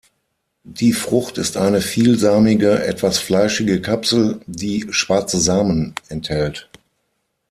Die Frucht ist eine vielsamige, etwas fleischige Kapsel, die schwarze Samen enthält.